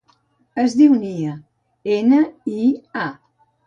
Es diu Nia: ena, i, a.